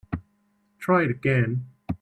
Try it again.